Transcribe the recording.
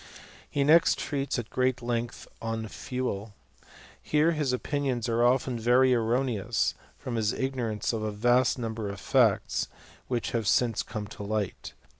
He next treats at great length on /we?. Here his opinions are often very erroneous, from his ignorance of ft vast number of facts which have since come to light.